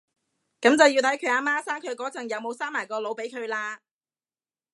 噉就要睇下佢阿媽生佢嗰陣有冇生埋個腦俾佢喇